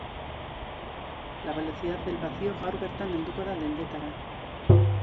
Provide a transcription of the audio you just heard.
La velocidad del vacio gaur bertan helduko da dendetara.